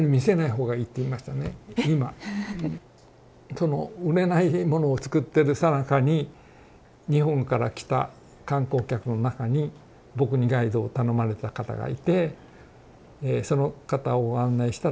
その売れないものをつくってるさなかに日本から来た観光客の中に僕にガイドを頼まれた方がいてその方を案内したら非常に気に入られて。